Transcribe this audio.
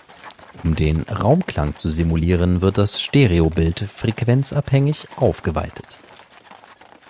Um den Raumklang zu simulieren wird das Stereo-Bild frequenzabhängig aufgeweitet.